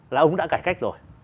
là ông đã cải cách rồi